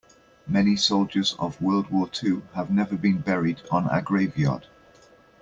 Many soldiers of world war two have never been buried on a grave yard.